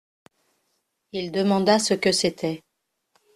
Il demanda ce que c’était.